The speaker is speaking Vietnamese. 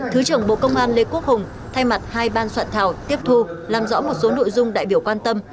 thứ trưởng bộ công an lê quốc hùng thay mặt hai ban soạn thảo tiếp thu làm rõ một số nội dung đại biểu quan tâm